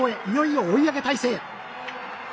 いよいよ追い上げ態勢。